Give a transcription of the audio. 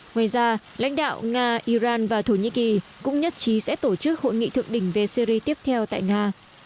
ngoài ra lãnh đạo nga iran và thổ nhĩ kỳ cũng nhất trí sẽ tổ chức hội nghị thượng đỉnh về syri tiếp theo tại nga